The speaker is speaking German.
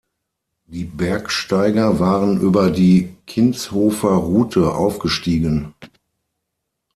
Die Bergsteiger waren über die Kinshofer-Route aufgestiegen.